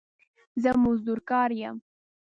زه مزدور کار يم